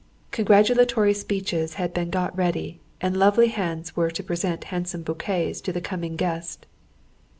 Congratulatory speeches had been got ready, and lovely hands were to present handsome bouquets to the coming guest.